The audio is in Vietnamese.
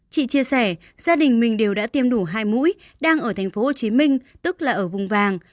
chị chia sẻ gia đình mình đều đã tiêm đủ hai mũi đang ở thành phố hồ chí minh tức là ở vùng vàng